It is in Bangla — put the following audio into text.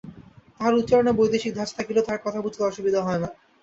তাঁহার উচ্চারণে বৈদেশিক ধাঁচ থাকিলেও তাঁহার কথা বুঝিতে অসুবিধা হয় না।